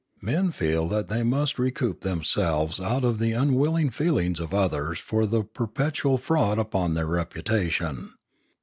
Men feel that they must recoup themselves out of the un willing feelings of others for the perpetual fraud upon their reputation.